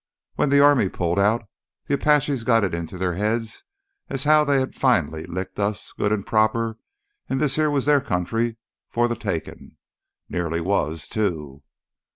When th' army pulled out, th' Apaches got it into their heads as how they finally licked us good an' proper an' this here was their country fur th' takin'. Nearly was, too.